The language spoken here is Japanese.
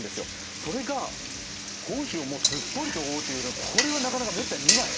それが本州をすっぽりと覆うという、これはなかなかめったに見ない。